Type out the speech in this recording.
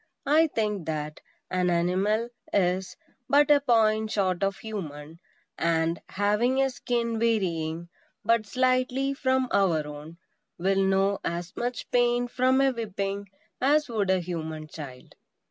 I think that an animal is but a point short of human; and, having a skin varying but slightly from our own, will know as much pain from a whipping as would a human child.